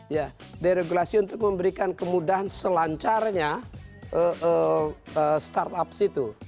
ya deregulasi untuk memberikan kemudahan selancarnya start up situ